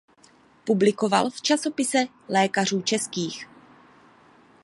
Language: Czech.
Publikoval v Časopise lékařů českých.